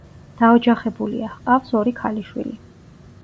დაოჯახებულია, ჰყავს ორი ქალიშვილი.